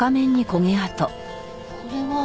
これは。